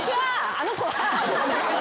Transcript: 「あの子は」